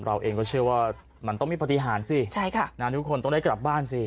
เราเองก็เชื่อว่ามันต้องมีปฏิหารสิใช่ค่ะนานทุกคนต้องได้กลับบ้านสิ